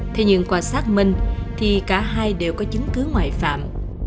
thế nhưng qua xác minh thì cả hai đều có chứng cứ ngoại phạm